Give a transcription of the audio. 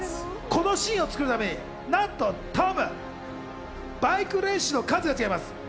このシーンを作るためになんとトム、バイク練習の数が違います。